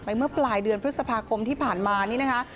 เมื่อปลายเดือนพฤษภาคมที่ผ่านมานี่นะคะ